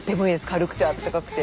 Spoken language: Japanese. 軽くてあったかくて。